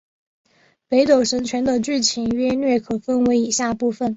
北斗神拳的剧情约略可分为以下部分。